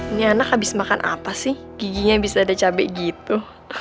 ini anak abis makan apa sih giginya abis ada cabe gitu